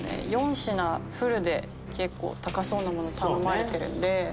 ４品フルで高そうなもの頼まれてるんで。